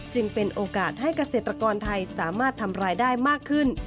จึงเป็นโอกาสให้เกษตรกรไทยสามารถทำรายได้มากขึ้น